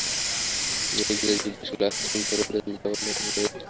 নীরজা জিজ্ঞাসা করলে, আজ তুমি ভোরে উঠেছিলে, যেমন আমরা রোজ উঠতুম?